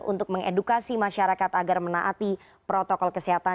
untuk mengedukasi masyarakat agar menaati protokol kesehatan